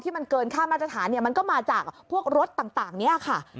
มันเกินค่ามาตรฐานมันก็มาจากพวกรถต่างนี้ค่ะ